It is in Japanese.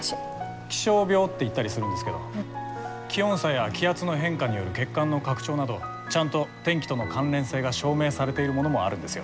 気象病って言ったりするんですけど気温差や気圧の変化による血管の拡張などちゃんと天気との関連性が証明されているものもあるんですよ。